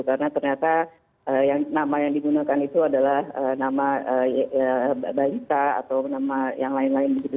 karena ternyata yang nama yang digunakan itu adalah nama balita atau nama yang lain lain gitu